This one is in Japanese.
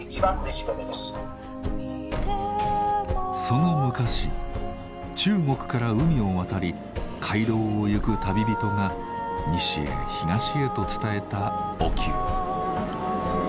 その昔中国から海を渡り街道を行く旅人が西へ東へと伝えたお灸。